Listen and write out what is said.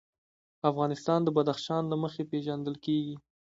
افغانستان د بدخشان له مخې پېژندل کېږي.